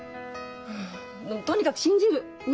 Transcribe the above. もうとにかく信じる！